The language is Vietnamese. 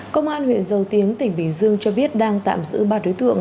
công an huyện dầu tiếng tỉnh bình dương cho biết đang tạm giữ ba đối tượng